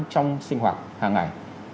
trong sinh hoạt hàng ngày